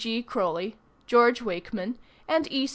D. G. Croly, George Wakeman, and E.